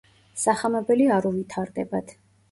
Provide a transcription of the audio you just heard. სახამებელი არ უვითარდებათ.